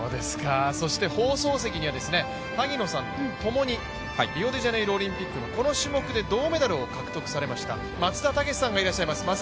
そして放送席には萩野さんとともにリオデジャネイロオリンピックのこの種目で銅メダルを獲得されました松田丈志さんがいらっしゃいます。